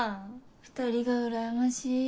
２人がうらやましい。